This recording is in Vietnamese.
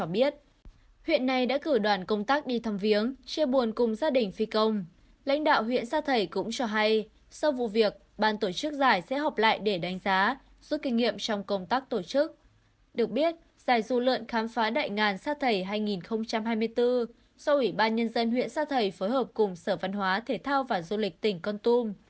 bà nhân dân huyện sa thầy phối hợp cùng sở văn hóa thể thao và du lịch tỉnh con tum